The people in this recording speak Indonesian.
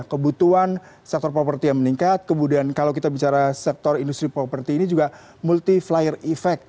kebutuhan sektor properti yang meningkat kemudian kalau kita bicara sektor industri properti ini juga multi flyer effect